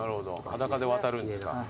裸で渡るんですか。